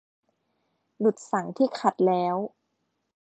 ดุจสังข์ที่ขัดแล้ว